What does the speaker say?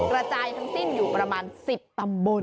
กระจายทั้งสิ้นอยู่ประมาณ๑๐ตำบล